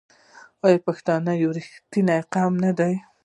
آیا پښتون یو رښتینی قوم نه دی؟